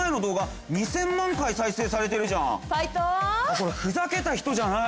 これふざけた人じゃない。